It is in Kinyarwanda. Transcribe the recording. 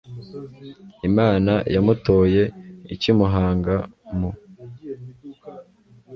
imana yamutoye ikimuhanga mu